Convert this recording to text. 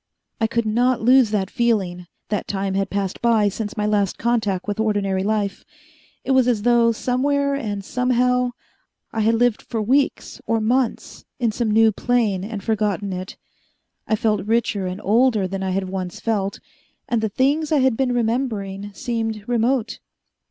I could not lose that feeling that time had passed by since my last contact with ordinary life. It was as though, somewhere and somehow, I had lived for weeks or months in some new plane, and forgotten it. I felt richer and older than I had once felt, and the things I had been remembering seemed remote.